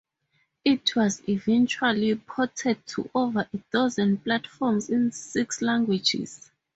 It was eventually ported to over a dozen platforms in six languages.